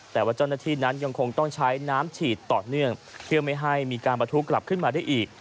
แต่ว่าเจ้าหน้าที่นั้นยังคงต้องใช้น้ำฉีดต่อเนื่องเพื่อไม่ให้มีการประทุกับขึ้นมาได้อีก